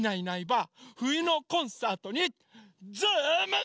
ふゆのコンサート」にズームワン！